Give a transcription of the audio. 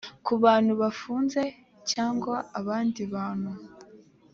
ku bantu bafunze cyangwa abandi bantu